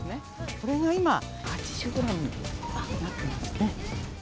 これが今、８５円になってますね。